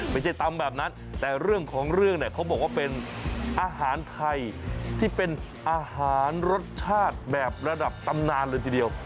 ไม่ใช่ตำแบบนั้นแต่เรื่องของเรื่องเนี่ยเขาบอกว่าเป็นอาหารไทยที่เป็นอาหารรสชาติแบบระดับตำนานเลยทีเดียว